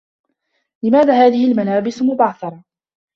لماذا هذه الملابس مبعثرة؟